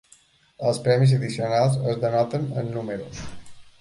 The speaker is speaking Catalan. Els premis addicionals es denoten amb números.